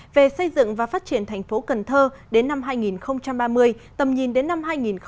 về xây dựng và phát triển thành phố cần thơ đến năm hai nghìn ba mươi tầm nhìn đến năm hai nghìn bốn mươi năm